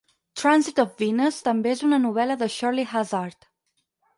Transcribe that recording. "Transit of Venus" també és una novel·la de Shirley Hazzard.